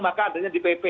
maka adanya di pp